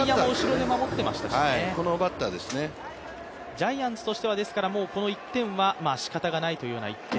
ジャイアンツとしてはこの１点はしかたがないという１点。